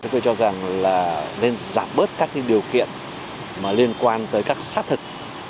tôi cho rằng là nên giảm bớt các điều kiện liên quan tới các xác thực